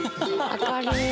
明るい！